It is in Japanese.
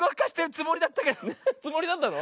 つもりだったの？